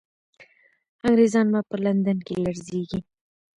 انګریزان به په لندن کې لړزېږي.